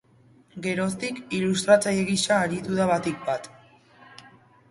Geroztik, ilustratzaile gisa aritu da batik bat.